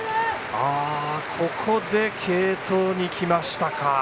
ここで継投にきました。